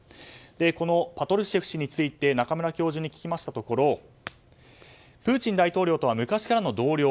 このパトルシェフ氏について中村教授に聞きましたところプーチン大統領とは昔からの同僚。